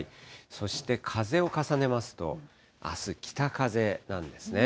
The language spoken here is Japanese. そして風を重ねますと、あす、北風なんですね。